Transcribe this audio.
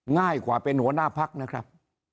ง่ายกว่าเป็นหัวหน้าพักนะครับ